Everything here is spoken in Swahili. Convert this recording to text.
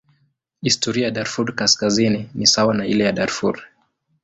Historia ya Darfur Kaskazini ni sawa na ile ya Darfur.